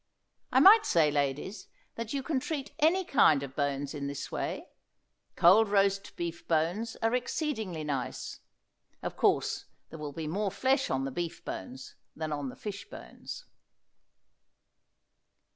I might say, ladies, that you can treat any kind of bones in this way. Cold roast beef bones are exceedingly nice. Of course there will be more flesh on the beef bones than on the fish bones.